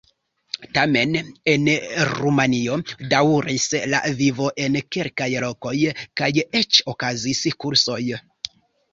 Tamen en Rumanio daŭris la vivo en kelkaj lokoj, kaj eĉ okazis kursoj.